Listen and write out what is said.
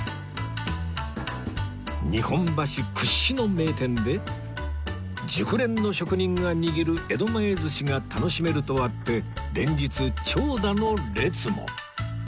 日本橋屈指の名店で熟練の職人が握る江戸前寿司が楽しめるとあって連日長蛇の列も